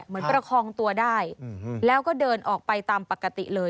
ประคองตัวได้แล้วก็เดินออกไปตามปกติเลย